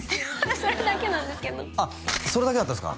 それだけなんですけどあっそれだけだったんですか